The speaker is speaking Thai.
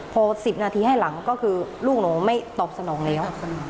พอ๑๐นาทีให้หลังก็คือลูกหนูไม่ตอบสนองแล้ว